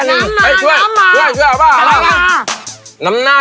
น้ำมาน้ำมา